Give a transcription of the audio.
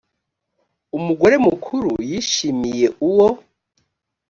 umugore mukuru yishimiye uwo